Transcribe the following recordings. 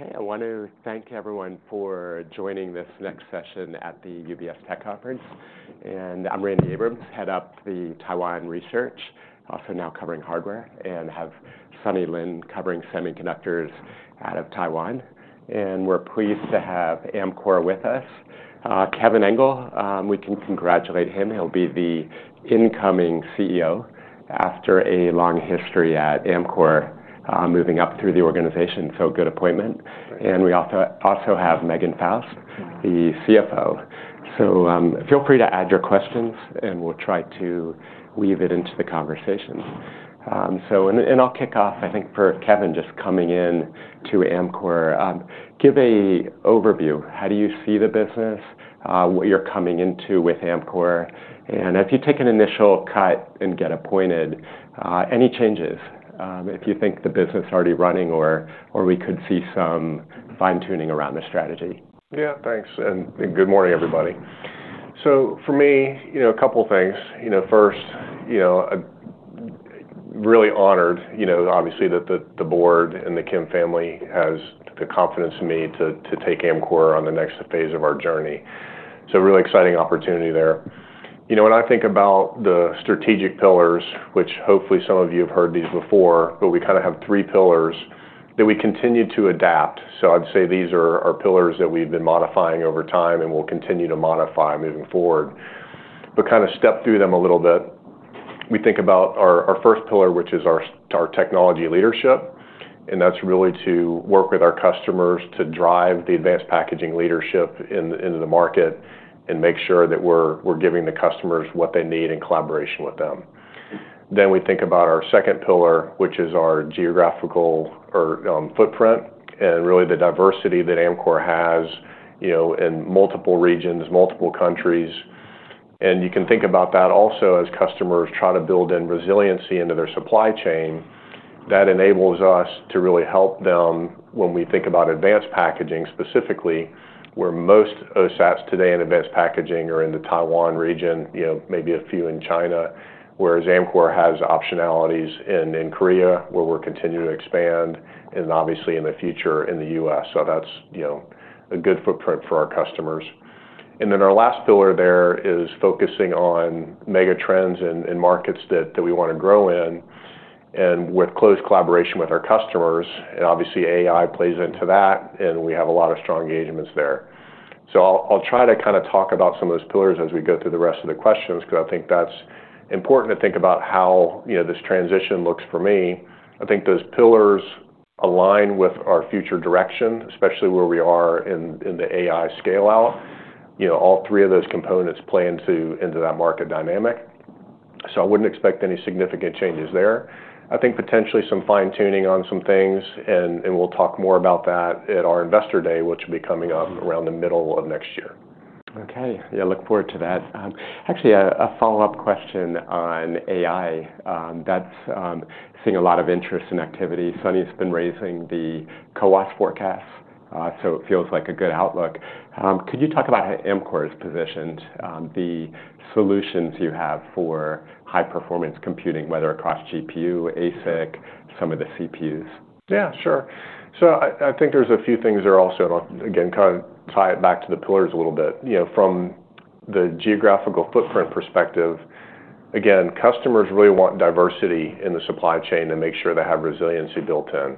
Okay, I want to thank everyone for joining this next session at the UBS Tech Conference. I'm Randy Abrams, Head of the Taiwan Research, also now covering hardware, and have Sunny Lin covering semiconductors out of Taiwan. We're pleased to have Amkor with us. Kevin Engel, we can congratulate him. He'll be the incoming CEO after a long history at Amkor moving up through the organization, so good appointment. We also have Megan Faust, the CFO. Feel free to add your questions, and we'll try to weave it into the conversation. I'll kick off, I think, for Kevin just coming in to Amkor. Give an overview. How do you see the business, what you're coming into with Amkor? If you take an initial cut and get appointed, any changes? If you think the business is already running or we could see some fine-tuning around the strategy? Yeah, thanks. Good morning, everybody. For me, a couple of things. First, really honored, obviously, that the board and the Kim family has the confidence in me to take Amkor on the next phase of our journey. Really exciting opportunity there. When I think about the strategic pillars, which hopefully some of you have heard these before, we kind of have three pillars that we continue to adapt. I'd say these are pillars that we've been modifying over time and will continue to modify moving forward. Kind of step through them a little bit. We think about our first pillar, which is our technology leadership, and that's really to work with our customers to drive the advanced packaging leadership into the market and make sure that we're giving the customers what they need in collaboration with them. We think about our second pillar, which is our geographical footprint and really the diversity that Amkor has in multiple regions, multiple countries. You can think about that also as customers try to build in resiliency into their supply chain. That enables us to really help them when we think about advanced packaging, specifically where most OSATs today in advanced packaging are in the Taiwan region, maybe a few in China, whereas Amkor has optionalities in Korea where we're continuing to expand and obviously in the future in the U.S. That's a good footprint for our customers. Our last pillar there is focusing on mega trends and markets that we want to grow in and with close collaboration with our customers. Obviously, AI plays into that, and we have a lot of strong engagements there. I'll try to kind of talk about some of those pillars as we go through the rest of the questions because I think that's important to think about how this transition looks for me. I think those pillars align with our future direction, especially where we are in the AI scale-out. All three of those components play into that market dynamic. I wouldn't expect any significant changes there. I think potentially some fine-tuning on some things, and we'll talk more about that at our investor day, which will be coming up around the middle of next year. Okay. Yeah, look forward to that. Actually, a follow-up question on AI. That's seeing a lot of interest and activity. Sunny's been raising the CoWoS forecasts, so it feels like a good outlook. Could you talk about how Amkor is positioned, the solutions you have for high-performance computing, whether across GPU, ASIC, some of the CPUs? Yeah, sure. I think there's a few things that also, again, kind of tie it back to the pillars a little bit. From the geographical footprint perspective, again, customers really want diversity in the supply chain and make sure they have resiliency built in.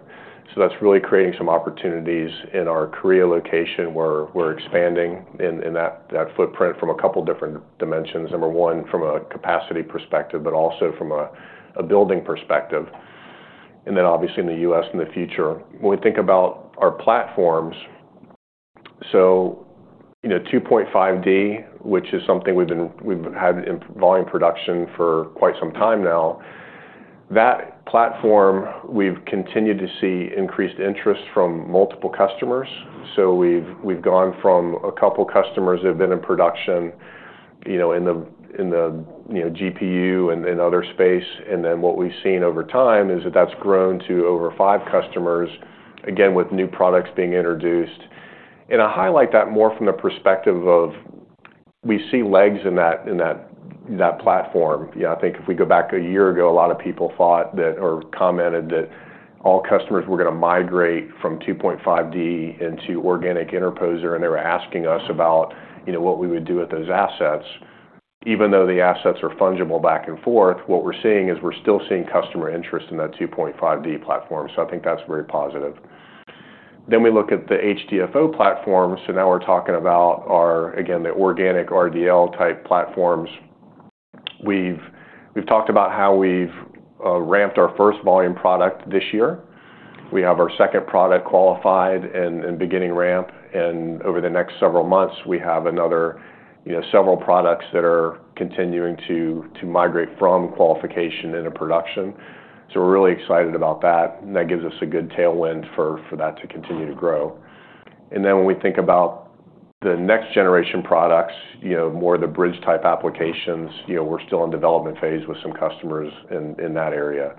That's really creating some opportunities in our Korea location where we're expanding in that footprint from a couple of different dimensions. Number one, from a capacity perspective, but also from a building perspective. Obviously in the U.S. in the future. When we think about our platforms, 2.5D, which is something we've had in volume production for quite some time now, that platform we've continued to see increased interest from multiple customers. We've gone from a couple of customers that have been in production in the GPU and other space. What we've seen over time is that that's grown to over five customers, again, with new products being introduced. I highlight that more from the perspective of we see [legs] in that platform. I think if we go back a year ago, a lot of people thought that or commented that all customers were going to migrate from 2.5D into organic interposer, and they were asking us about what we would do with those assets. Even though the assets are fungible back and forth, what we're seeing is we're still seeing customer interest in that 2.5D platform. I think that's very positive. We look at the HDFO platform. Now we're talking about our, again, the organic RDL type platforms. We've talked about how we've ramped our first volume product this year. We have our second product qualified and beginning ramp. Over the next several months, we have another several products that are continuing to migrate from qualification into production. We are really excited about that. That gives us a good tailwind for that to continue to grow. When we think about the next generation products, more of the bridge type applications, we are still in development phase with some customers in that area.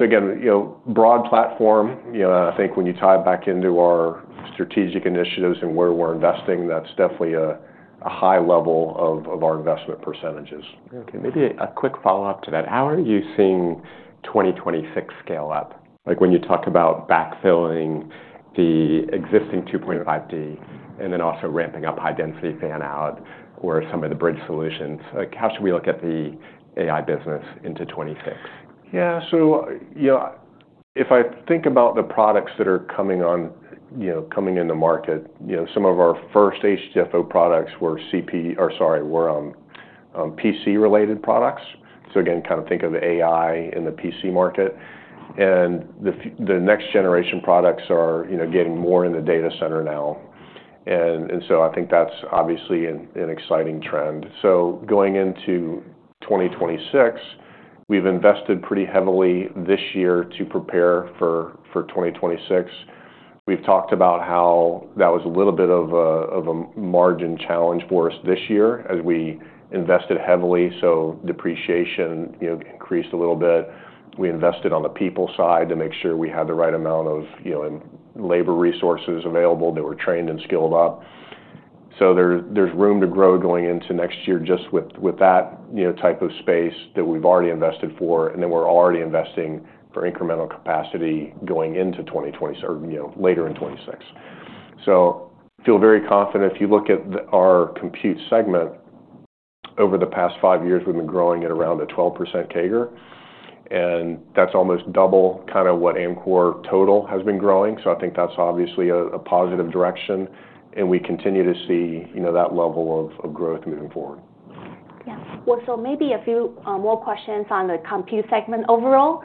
Again, broad platform. I think when you tie it back into our strategic initiatives and where we are investing, that is definitely a high level of our investment percentages. Okay. Maybe a quick follow-up to that. How are you seeing 2026 scale-up? When you talk about backfilling the existing 2.5D and then also ramping up high-density fan-out or some of the bridge solutions, how should we look at the AI business into 2026? Yeah. If I think about the products that are coming in the market, some of our first HDFO products were PC-related products. Again, kind of think of AI in the PC market. The next generation products are getting more in the data center now. I think that's obviously an exciting trend. Going into 2026, we've invested pretty heavily this year to prepare for 2026. We've talked about how that was a little bit of a margin challenge for us this year as we invested heavily. Depreciation increased a little bit. We invested on the people side to make sure we had the right amount of labor resources available that were trained and skilled up. There is room to grow going into next year just with that type of space that we have already invested for, and then we are already investing for incremental capacity going into 2026 or later in 2026. I feel very confident. If you look at our compute segment, over the past five years, we have been growing at around a 12% CAGR. That is almost double kind of what Amkor total has been growing. I think that is obviously a positive direction. We continue to see that level of growth moving forward. Yeah. Maybe a few more questions on the compute segment overall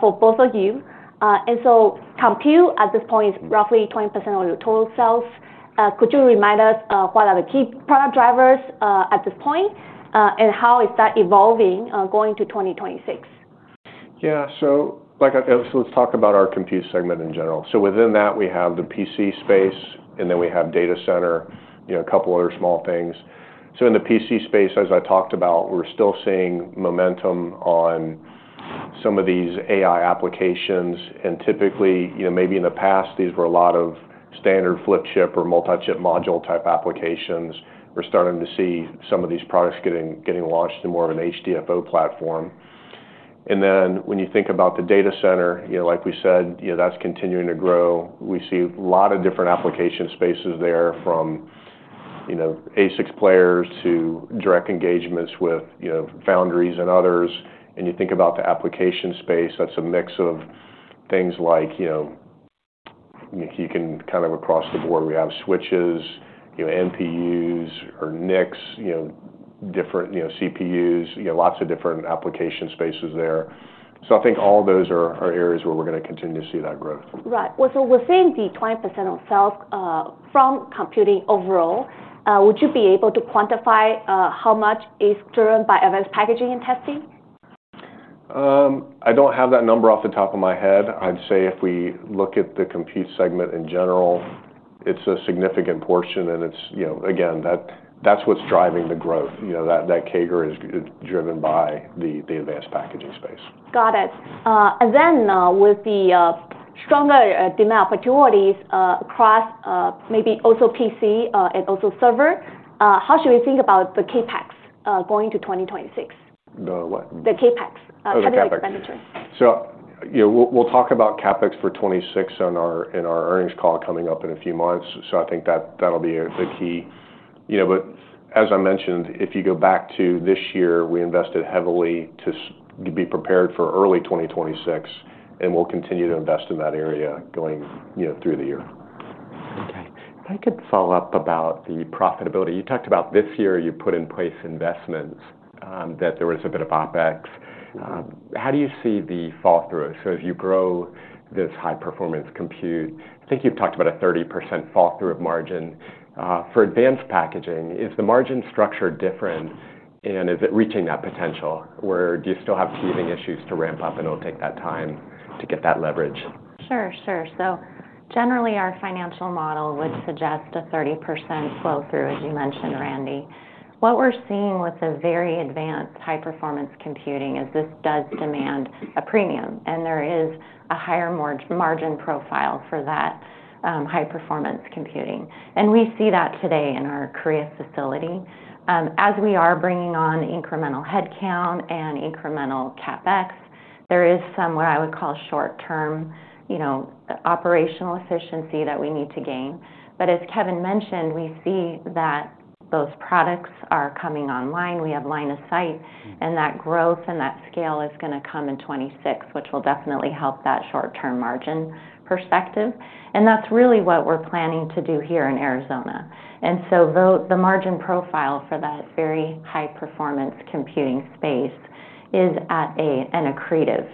for both of you. Compute at this point is roughly 20% of your total sales. Could you remind us what are the key product drivers at this point, and how is that evolving going to 2026? Yeah. Let's talk about our compute segment in general. Within that, we have the PC space, and then we have data center, a couple of other small things. In the PC space, as I talked about, we're still seeing momentum on some of these AI applications. Typically, maybe in the past, these were a lot of standard flip chip or multi-chip module type applications. We're starting to see some of these products getting launched in more of an HDFO platform. When you think about the data center, like we said, that's continuing to grow. We see a lot of different application spaces there from ASIC players to direct engagements with foundries and others. You think about the application space, that's a mix of things like you can kind of across the board, we have switches, NPUs or NICs, different CPUs, lots of different application spaces there. I think all those are areas where we're going to continue to see that growth. Right. We are seeing the 20% of sales from computing overall. Would you be able to quantify how much is driven by advanced packaging and testing? I don't have that number off the top of my head. I'd say if we look at the compute segment in general, it's a significant portion, and again, that's what's driving the growth. That CAGR is driven by the advanced packaging space. Got it. With the stronger demand opportunities across maybe also PC and also server, how should we think about the CapEx going to 2026? The what? The CapEx. How do you expenditure? We'll talk about CapEx for 2026 on our earnings call coming up in a few months. I think that'll be the key. As I mentioned, if you go back to this year, we invested heavily to be prepared for early 2026, and we'll continue to invest in that area going through the year. Okay. If I could follow up about the profitability. You talked about this year you put in place investments, that there was a bit of OpEx. How do you see the fall through? As you grow this high-performance compute, I think you've talked about a 30% fall through of margin. For advanced packaging, is the margin structure different, and is it reaching that potential, or do you still have teething issues to ramp up and it'll take that time to get that leverage? Sure. Sure. Generally, our financial model would suggest a 30% flow through, as you mentioned, Randy. What we're seeing with the very advanced high-performance computing is this does demand a premium, and there is a higher margin profile for that high-performance computing. We see that today in our Korea facility. As we are bringing on incremental headcount and incremental CapEx, there is some what I would call short-term operational efficiency that we need to gain. As Kevin mentioned, we see that those products are coming online. We have line of sight, and that growth and that scale is going to come in 2026, which will definitely help that short-term margin perspective. That is really what we're planning to do here in Arizona. The margin profile for that very high-performance computing space is accretive,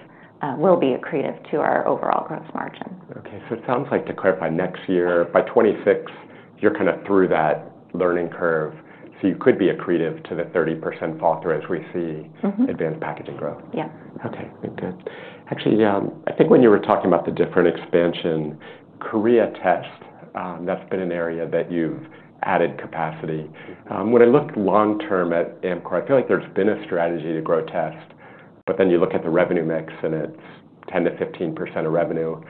will be accretive to our overall gross margin. Okay. So it sounds like to clarify next year, by 2026, you're kind of through that learning curve. So you could be accretive to the 30% fall through as we see advanced packaging growth. Yeah. Okay. Good. Actually, I think when you were talking about the different expansion, Korea test, that's been an area that you've added capacity. When I look long-term at Amkor, I feel like there's been a strategy to grow test, but then you look at the revenue mix and it's 10-15% of revenue.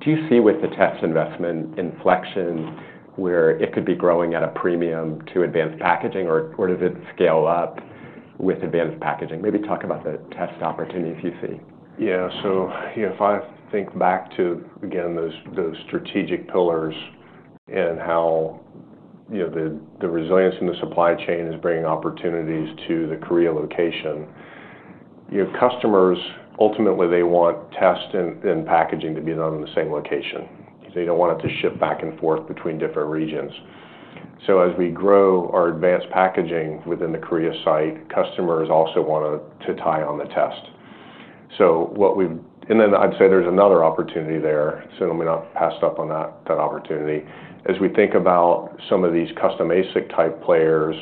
Do you see with the test investment inflection where it could be growing at a premium to advanced packaging, or does it scale up with advanced packaging? Maybe talk about the test opportunities you see. Yeah. If I think back to, again, those strategic pillars and how the resilience in the supply chain is bringing opportunities to the Korea location, customers ultimately want test and packaging to be done in the same location. They do not want it to shift back and forth between different regions. As we grow our advanced packaging within the Korea site, customers also want to tie on the test. What we've—and then I'd say there's another opportunity there. Let me not pass up on that opportunity. As we think about some of these custom ASIC type players,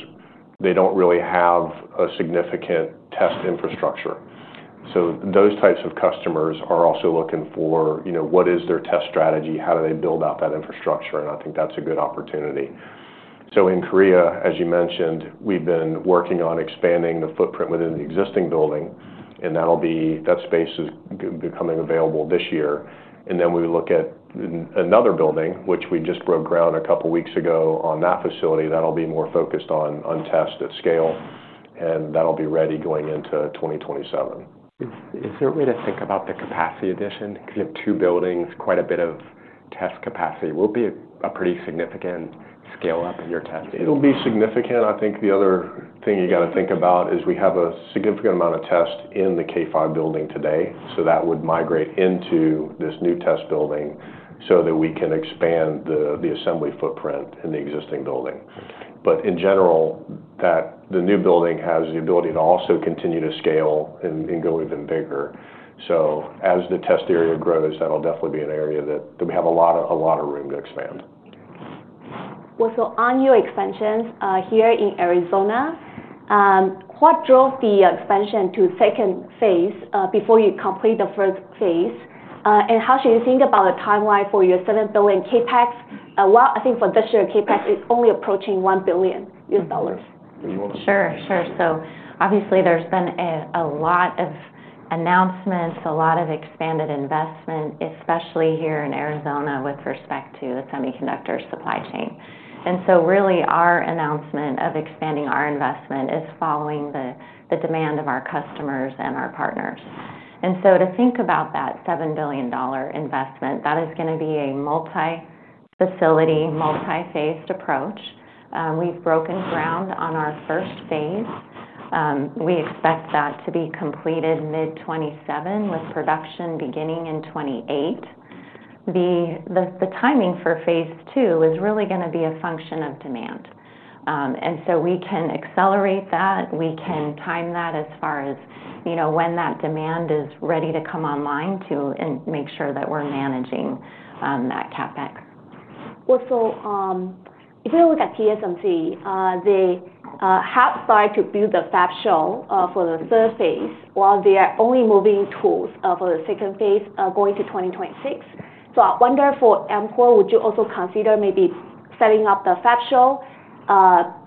they do not really have a significant test infrastructure. Those types of customers are also looking for what is their test strategy, how do they build out that infrastructure. I think that's a good opportunity. In Korea, as you mentioned, we've been working on expanding the footprint within the existing building, and that space is becoming available this year. We look at another building, which we just broke ground a couple of weeks ago on that facility. That will be more focused on test at scale, and that will be ready going into 2027. Is there a way to think about the capacity addition? Because you have two buildings, quite a bit of test capacity. Will it be a pretty significant scale-up in your testing? It'll be significant. I think the other thing you got to think about is we have a significant amount of test in the K5 building today. That would migrate into this new test building so that we can expand the assembly footprint in the existing building. In general, the new building has the ability to also continue to scale and go even bigger. As the test area grows, that'll definitely be an area that we have a lot of room to expand. On your expansions here in Arizona, what drove the expansion to second phase before you complete the first phase? How should you think about the timeline for your $7 billion CapEx? I think for this year, CapEx is only approaching $1 billion. Megan, you want to Sure. Sure. Obviously, there's been a lot of announcements, a lot of expanded investment, especially here in Arizona with respect to the semiconductor supply chain. Our announcement of expanding our investment is following the demand of our customers and our partners. To think about that $7 billion investment, that is going to be a multi-facility, multi-phased approach. We've broken ground on our first phase. We expect that to be completed mid-2027 with production beginning in 2028. The timing for phase two is really going to be a function of demand. We can accelerate that. We can time that as far as when that demand is ready to come online to make sure that we're managing that CapEx. If we look at TSMC, they have tried to build the fab shell for the third phase, while they are only moving tools for the second phase going to 2026. I wonder for Amkor, would you also consider maybe setting up the fab shell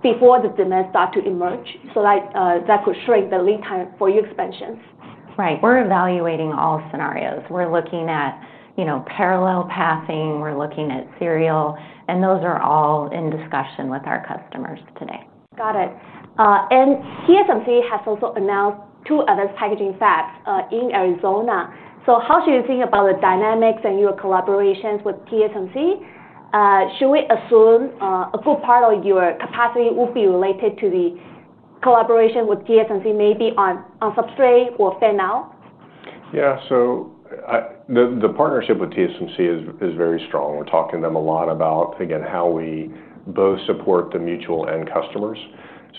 before the demand starts to emerge so that could shrink the lead time for your expansions? Right. We're evaluating all scenarios. We're looking at parallel pathing. We're looking at serial. Those are all in discussion with our customers today. Got it. TSMC has also announced two advanced packaging fabs in Arizona. How should you think about the dynamics and your collaborations with TSMC? Should we assume a good part of your capacity will be related to the collaboration with TSMC maybe on substrate or fan-out? Yeah. The partnership with TSMC is very strong. We're talking to them a lot about, again, how we both support the mutual end customers.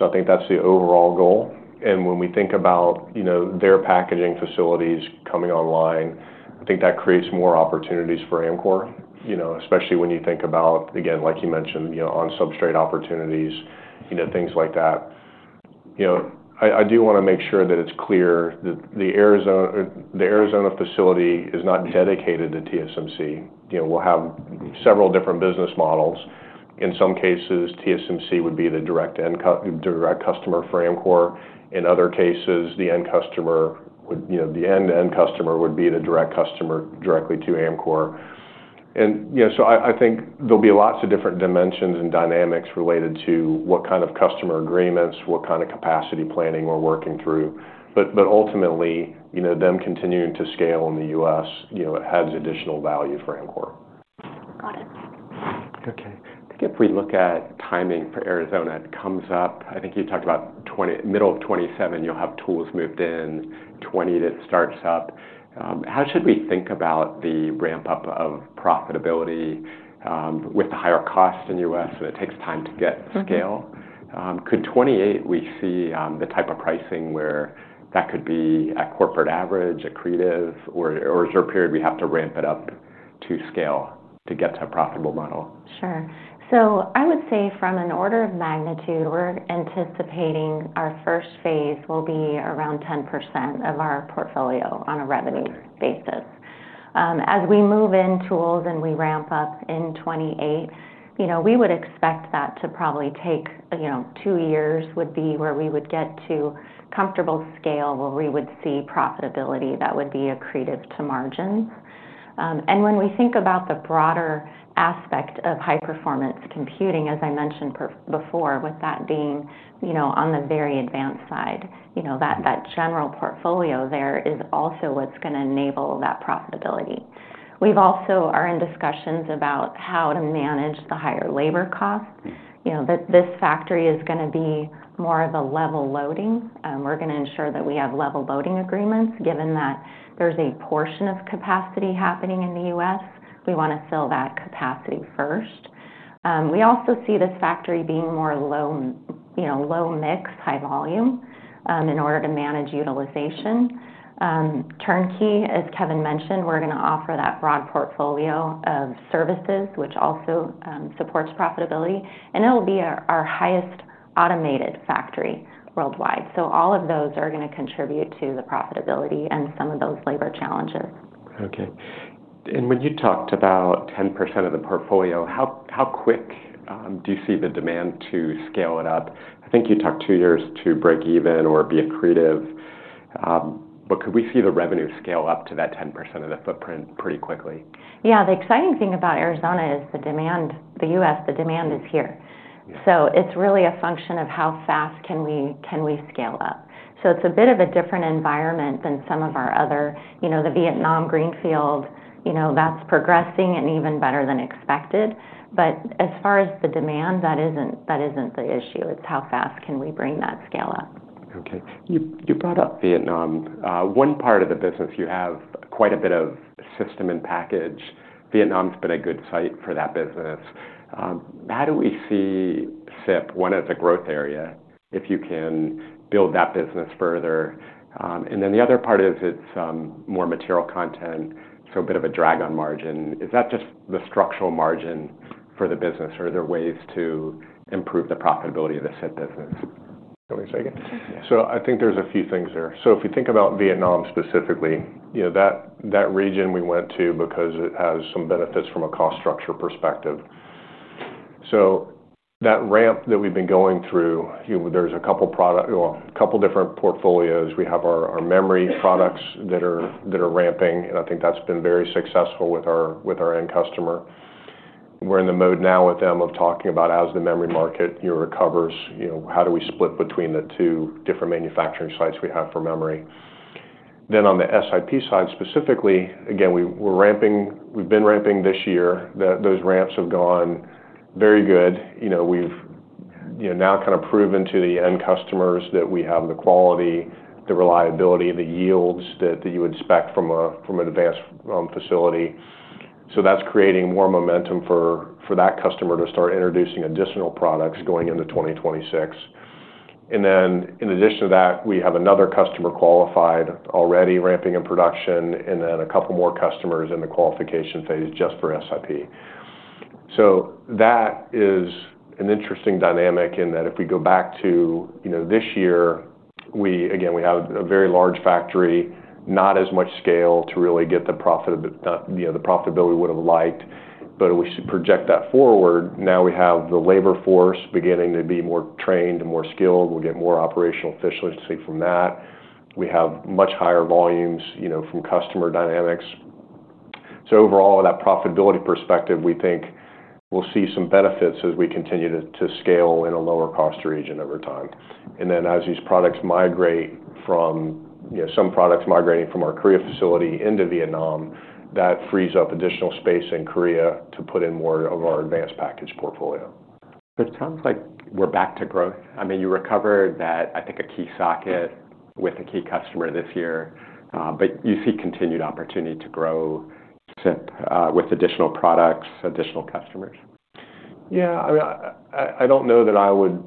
I think that's the overall goal. When we think about their packaging facilities coming online, I think that creates more opportunities for Amkor, especially when you think about, again, like you mentioned, on-substrate opportunities, things like that. I do want to make sure that it's clear that the Arizona facility is not dedicated to TSMC. We'll have several different business models. In some cases, TSMC would be the direct customer for Amkor. In other cases, the end customer would be the direct customer directly to Amkor. I think there'll be lots of different dimensions and dynamics related to what kind of customer agreements, what kind of capacity planning we're working through. Ultimately, them continuing to scale in the U.S., it adds additional value for Amkor. Got it. Okay. I think if we look at timing for Arizona, it comes up. I think you talked about middle of 2027, you'll have tools moved in, 2028 it starts up. How should we think about the ramp-up of profitability with the higher cost in the U.S., and it takes time to get scale? Could 2028 we see the type of pricing where that could be a corporate average, accretive, or is there a period we have to ramp it up to scale to get to a profitable model? Sure. I would say from an order of magnitude, we're anticipating our first phase will be around 10% of our portfolio on a revenue basis. As we move in tools and we ramp up in 2028, we would expect that to probably take two years where we would get to comfortable scale where we would see profitability that would be accretive to margins. When we think about the broader aspect of high-performance computing, as I mentioned before, with that being on the very advanced side, that general portfolio there is also what's going to enable that profitability. We've also are in discussions about how to manage the higher labor costs. This factory is going to be more of a level loading. We're going to ensure that we have level loading agreements. Given that there's a portion of capacity happening in the U.S., we want to fill that capacity first. We also see this factory being more low mix, high volume in order to manage utilization. Turnkey, as Kevin mentioned, we're going to offer that broad portfolio of services, which also supports profitability. It'll be our highest automated factory worldwide. All of those are going to contribute to the profitability and some of those labor challenges. Okay. When you talked about 10% of the portfolio, how quick do you see the demand to scale it up? I think you talked two years to break even or be accretive. Could we see the revenue scale up to that 10% of the footprint pretty quickly? Yeah. The exciting thing about Arizona is the demand. The U.S., the demand is here. It is really a function of how fast can we scale up. It is a bit of a different environment than some of our other, the Vietnam greenfield. That is progressing and even better than expected. As far as the demand, that is not the issue. It is how fast can we bring that scale up? Okay. You brought up Vietnam. One part of the business, you have quite a bit of system-in-package. Vietnam's been a good site for that business. How do we see SiP, one as a growth area, if you can build that business further? The other part is it's more material content, so a bit of a drag on margin. Is that just the structural margin for the business, or are there ways to improve the profitability of the SiP business? Can we say again? Yeah. I think there's a few things there. If we think about Vietnam specifically, that region we went to because it has some benefits from a cost structure perspective. That ramp that we've been going through, there's a couple of different portfolios. We have our memory products that are ramping, and I think that's been very successful with our end customer. We're in the mode now with them of talking about as the memory market recovers, how do we split between the two different manufacturing sites we have for memory? On the SiP side specifically, again, we've been ramping this year. Those ramps have gone very good. We've now kind of proven to the end customers that we have the quality, the reliability, the yields that you would expect from an advanced facility. That's creating more momentum for that customer to start introducing additional products going into 2026. In addition to that, we have another customer qualified already ramping in production, and then a couple more customers in the qualification phase just for SiP. That is an interesting dynamic in that if we go back to this year, again, we have a very large factory, not as much scale to really get the profitability we would have liked. If we project that forward, now we have the labor force beginning to be more trained and more skilled. We'll get more operational efficiency from that. We have much higher volumes from customer dynamics. Overall, that profitability perspective, we think we'll see some benefits as we continue to scale in a lower-cost region over time. As these products migrate from some products migrating from our Korea facility into Vietnam, that frees up additional space in Korea to put in more of our advanced package portfolio. It sounds like we're back to growth. I mean, you recovered that, I think, a key socket with a key customer this year. I mean, you see continued opportunity to grow SiP with additional products, additional customers? Yeah. I mean, I don't know that I would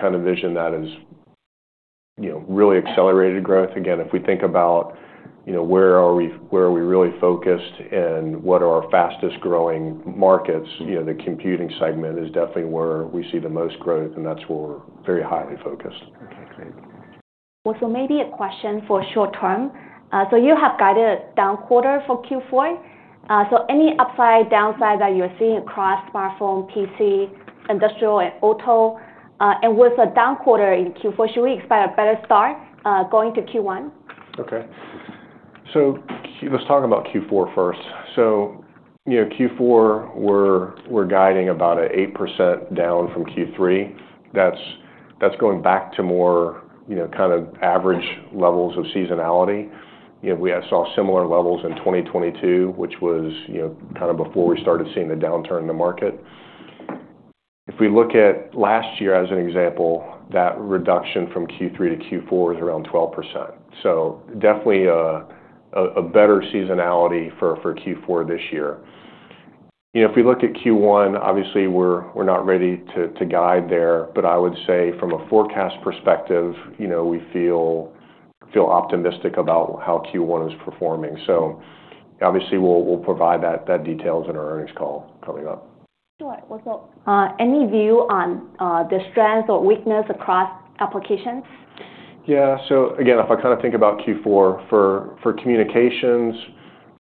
kind of envision that as really accelerated growth. Again, if we think about where are we really focused and what are our fastest-growing markets, the computing segment is definitely where we see the most growth, and that's where we're very highly focused. Okay. Great. Maybe a question for short term. You have guided down quarter for Q4. Any upside, downside that you're seeing across smartphone, PC, industrial, and auto? With a down quarter in Q4, should we expect a better start going to Q1? Okay. Let's talk about Q4 first. Q4, we're guiding about an 8% down from Q3. That's going back to more kind of average levels of seasonality. We saw similar levels in 2022, which was kind of before we started seeing the downturn in the market. If we look at last year as an example, that reduction from Q3 to Q4 is around 12%. Definitely a better seasonality for Q4 this year. If we look at Q1, obviously, we're not ready to guide there. I would say from a forecast perspective, we feel optimistic about how Q1 is performing. Obviously, we'll provide that details in our earnings call coming up. Sure. Any view on the strengths or weakness across applications? Yeah. If I kind of think about Q4, for communications,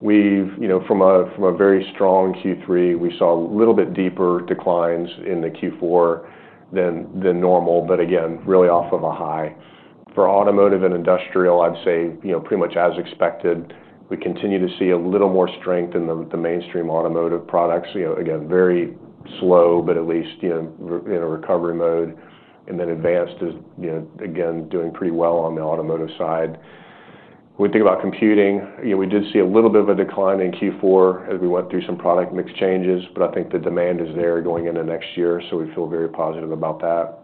from a very strong Q3, we saw a little bit deeper declines in Q4 than normal, but really off of a high. For automotive and industrial, I'd say pretty much as expected. We continue to see a little more strength in the mainstream automotive products. Very slow, but at least in a recovery mode. Advanced is, again, doing pretty well on the automotive side. When we think about computing, we did see a little bit of a decline in Q4 as we went through some product mix changes. I think the demand is there going into next year. We feel very positive about that.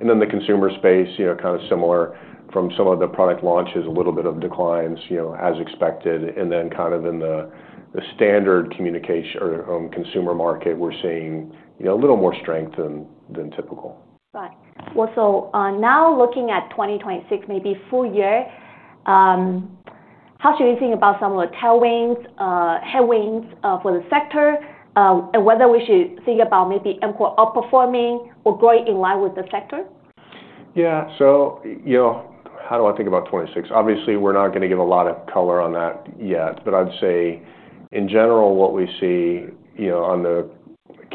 The consumer space, kind of similar from some of the product launches, a little bit of declines as expected. In the standard communication or consumer market, we're seeing a little more strength than typical. Got it. So now looking at 2026, maybe full year, how should we think about some of the tailwinds, headwinds for the sector, and whether we should think about maybe Amkor outperforming or growing in line with the sector? Yeah. So how do I think about '26? Obviously, we're not going to give a lot of color on that yet. I'd say, in general, what we see on the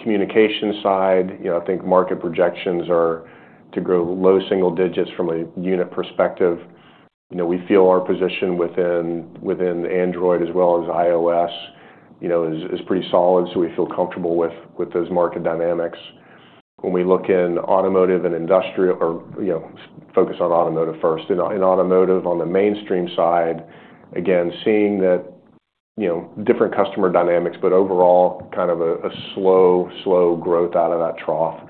communication side, I think market projections are to grow low single digits from a unit perspective. We feel our position within Android as well as iOS is pretty solid. So we feel comfortable with those market dynamics. When we look in automotive and industrial, or focus on automotive first. In automotive, on the mainstream side, again, seeing that different customer dynamics, but overall, kind of a slow, slow growth out of that trough.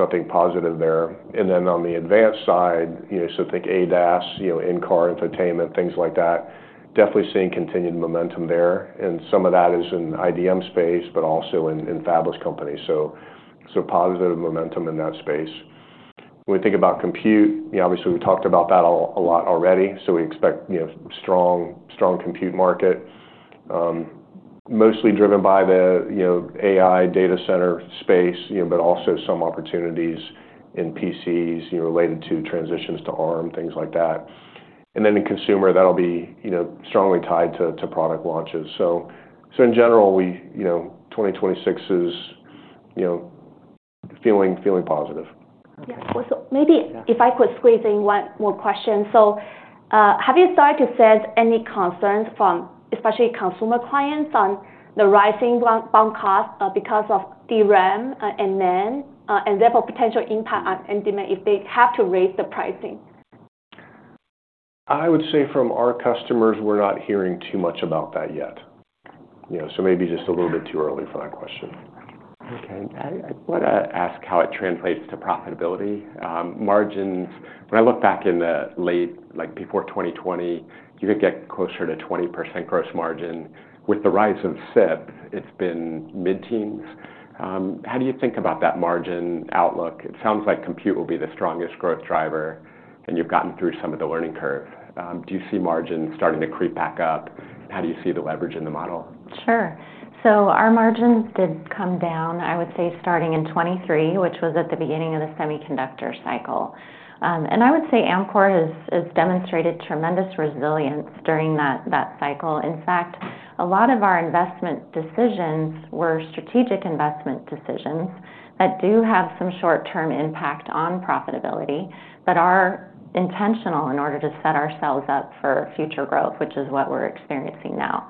I think positive there. Then on the advanced side, so think ADAS, in-car infotainment, things like that. Definitely seeing continued momentum there. Some of that is in IDM space, but also in fabless companies. So positive momentum in that space. When we think about compute, obviously, we've talked about that a lot already. We expect strong compute market, mostly driven by the AI data center space, but also some opportunities in PCs related to transitions to ARM, things like that. In consumer, that'll be strongly tied to product launches. In general, 2026 is feeling positive. Yeah. Maybe if I could squeeze in one more question. Have you started to sense any concerns from especially consumer clients on the rising bound cost because of DRAM and NAND, and therefore potential impact on [NDMA] if they have to raise the pricing? I would say from our customers, we're not hearing too much about that yet. Maybe just a little bit too early for that question. Okay. I want to ask how it translates to profitability. Margins, when I look back in the late before 2020, you could get closer to 20% gross margin. With the rise of SiP, it's been mid-teens. How do you think about that margin outlook? It sounds like compute will be the strongest growth driver, and you've gotten through some of the learning curve. Do you see margins starting to creep back up? How do you see the leverage in the model? Sure. Our margins did come down, I would say, starting in 2023, which was at the beginning of the semiconductor cycle. I would say Amkor has demonstrated tremendous resilience during that cycle. In fact, a lot of our investment decisions were strategic investment decisions that do have some short-term impact on profitability, but are intentional in order to set ourselves up for future growth, which is what we're experiencing now.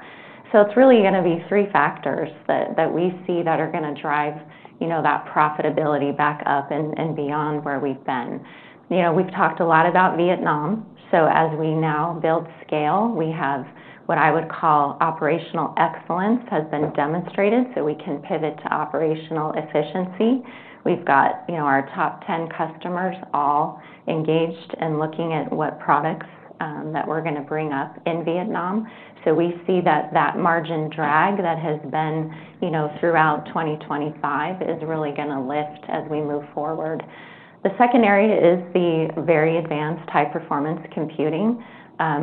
It is really going to be three factors that we see that are going to drive that profitability back up and beyond where we've been. We've talked a lot about Vietnam. As we now build scale, we have what I would call operational excellence has been demonstrated, so we can pivot to operational efficiency. We've got our top 10 customers all engaged and looking at what products that we're going to bring up in Vietnam. We see that that margin drag that has been throughout 2025 is really going to lift as we move forward. The second area is the very advanced high-performance computing.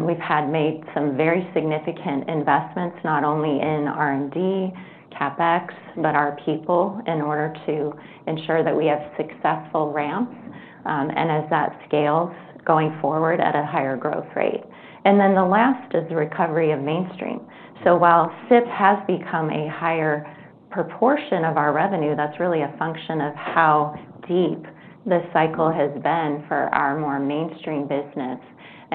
We've made some very significant investments, not only in R&D, CapEx, but our people in order to ensure that we have successful ramps and as that scales going forward at a higher growth rate. The last is the recovery of mainstream. While SiP has become a higher proportion of our revenue, that's really a function of how deep the cycle has been for our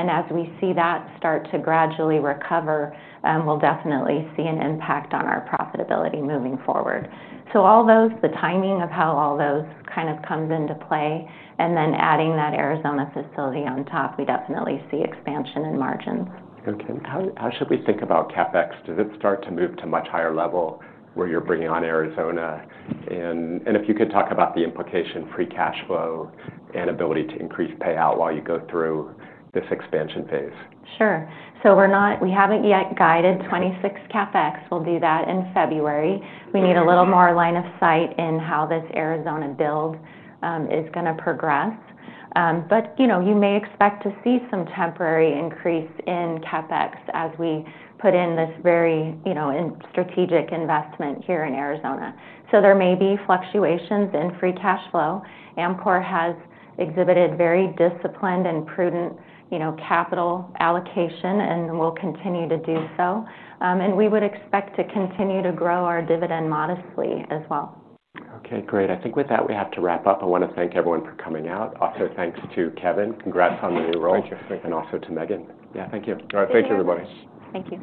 more mainstream business. As we see that start to gradually recover, we'll definitely see an impact on our profitability moving forward. The timing of how all those kind of comes into play, and then adding that Arizona facility on top, we definitely see expansion in margins. Okay. How should we think about CapEx? Does it start to move to a much higher level where you're bringing on Arizona? If you could talk about the implication for cash flow and ability to increase payout while you go through this expansion phase. Sure. We have not yet guided 2026 CapEx. We will do that in February. We need a little more line of sight in how this Arizona build is going to progress. You may expect to see some temporary increase in CapEx as we put in this very strategic investment here in Arizona. There may be fluctuations in free cash flow. Amkor has exhibited very disciplined and prudent capital allocation and will continue to do so. We would expect to continue to grow our dividend modestly as well. Okay. Great. I think with that, we have to wrap up. I want to thank everyone for coming out. Also, thanks to Kevin. Congrats on the new role. Also to Megan. Yeah. Thank you. All right. Thank you, everybody. Thanks.